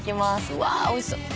うわおいしそう。